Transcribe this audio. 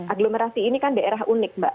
aglomerasi ini kan daerah unik mbak